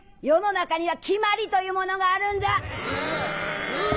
世の中には決まりというものがあるんだ。